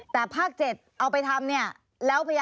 แต่ภาค๗เอาไปทำเนี่ย